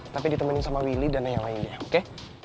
tapi ditemenin sama willy dan yang lainnya oke